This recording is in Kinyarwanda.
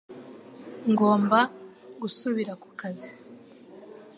Ngomba gusubira ku kazi